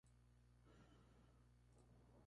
Rivadavia; Gral.